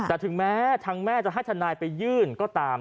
แต่ถึงแม้ทางแม่จะให้ทนายไปยื่นก็ตาม